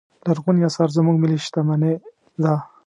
لرغوني اثار زموږ ملي شتمنې ده.